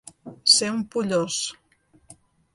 Ser un pollós.